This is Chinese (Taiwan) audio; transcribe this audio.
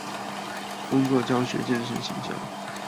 工作、教學、健身、行銷